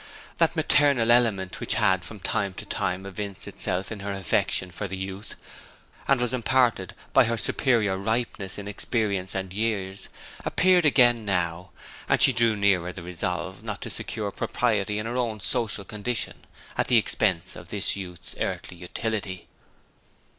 That maternal element which had from time to time evinced itself in her affection for the youth, and was imparted by her superior ripeness in experience and years, appeared now again, as she drew nearer the resolve not to secure propriety in her own social condition at the expense of this youth's earthly utility.